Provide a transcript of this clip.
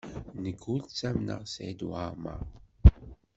Nekk ur ttamneɣ Saɛid Waɛmaṛ.